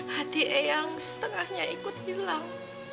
hati eyang setengahnya ikut hilang